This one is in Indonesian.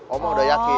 om mah udah yakin